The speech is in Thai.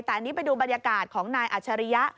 แต่อันนี้ไปดูบรรยากาศของนายอัจฉริยะ